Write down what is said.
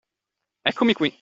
Eccomi qui!